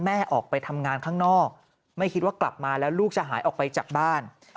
แม่ออกไปทำงานข้างนอกไม่คิดว่ากลับมาแล้วลูกจะหายออกไปจากบ้าน